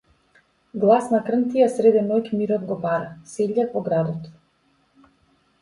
Гласна крнтија сред ноќ мирот го пара -сељак во градот.